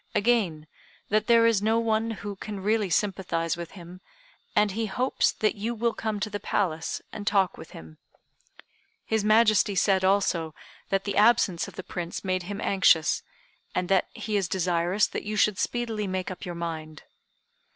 Again, that there is no one who can really sympathize with him; and he hopes that you will come to the Palace, and talk with him. His Majesty said also that the absence of the Prince made him anxious, and that he is desirous that you should speedily make up your mind.